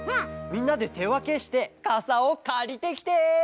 みんなでてわけしてかさをかりてきて！